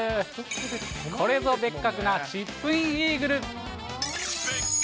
これぞ別格なチップインイーグル。